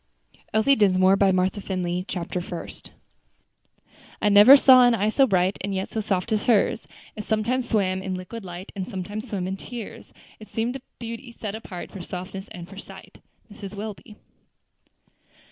ELSIE DINSMORE BY MARTHA FINLEY CHAPTER FIRST "I never saw an eye so bright, And yet so soft as hers; It sometimes swam in liquid light, And sometimes swam in tears; It seemed a beauty set apart For softness and for sighs." MRS. WELBY.